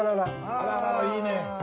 あらららいいね。